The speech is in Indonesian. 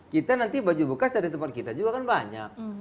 kita nanti baju bekas dari tempat kita juga kan banyak